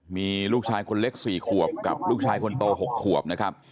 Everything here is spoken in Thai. มีลูกชายคนเล็ก๔ขวบกับลูกชายคนโต๖ขวบนะครับ